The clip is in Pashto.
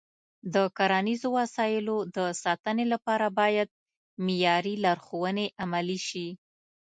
د کرنیزو وسایلو د ساتنې لپاره باید معیاري لارښوونې عملي شي.